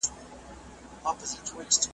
هم یې ځای زړه د اولس وي هم الله لره منظور سي .